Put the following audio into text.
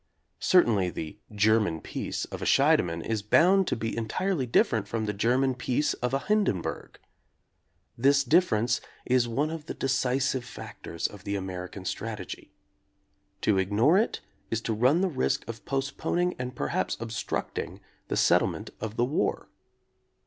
Certainly the "German peace" of a Scheidemann is bound to be entirely different from the "German peace" of a Hindenburg. This difference is one of the de cisive factors of the American strategy. To ig nore it is to run the risk of postponing and per haps obstructing the settlement of the war.